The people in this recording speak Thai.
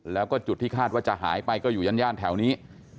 แล้วก็จุดที่คาดว่าจะหายไปก็อยู่ย่านแถวนี้